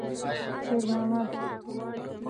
شېرمحمد.